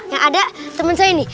yang ada temen saya nih